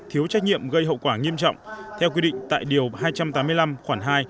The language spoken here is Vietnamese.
thiếu trách nhiệm gây hậu quả nghiêm trọng theo quy định tại điều hai trăm tám mươi năm khoảng hai